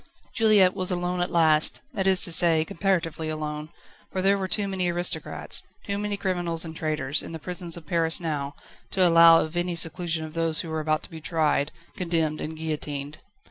Juliette was alone at last that is to say, comparatively alone, for there were too many aristocrats, too many criminals and traitors, in the prisons of Paris now, to allow of any seclusion of those who were about to be tried, condemned, and guillotined.